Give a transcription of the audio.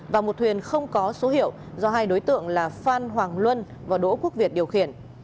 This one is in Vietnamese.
và một thuyền không có số hiệu do hai đối tượng là phan hoàng luân và đỗ quốc việt điều khiển